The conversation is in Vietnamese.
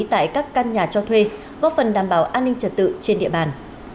tại các căn nhà cho thuê góp phần đảm bảo an ninh trật tự trên địa bàn